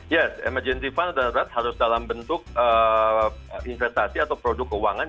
yes emergency fund darurat harus dalam bentuk investasi atau produk keuangan